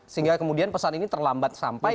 sehingga kemudian pesan ini terlambat sampai